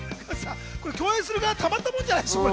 共演する側はたまったもんじゃないでしょうね。